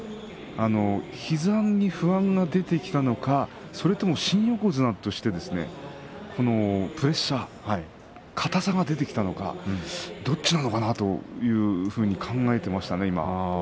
膝に不安が出てきたのかそれとも新横綱としてプレッシャー、硬さが出てきたのかどっちなのかなと考えていました。